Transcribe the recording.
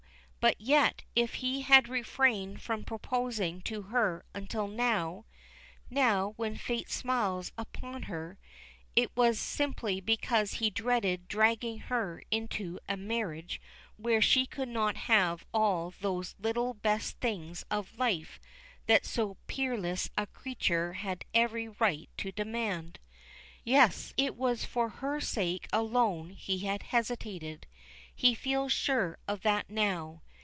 But yet if he had refrained from proposing to her until now now when fate smiles upon her it was simply because he dreaded dragging her into a marriage where she could not have had all those little best things of life that so peerless a creature had every right to demand. Yes! it was for her sake alone he had hesitated. He feels sure of that now.